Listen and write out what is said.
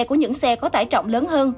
của những xe có tải trọng lớn hơn